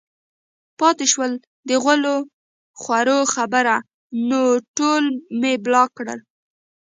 پاتې شوه د غول خورو خبره نو ټول مې بلاک کړل